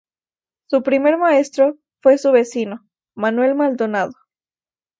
Su primer maestro fue su vecino Manuel Maldonado.